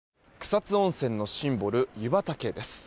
草津温泉のシンボル湯畑です。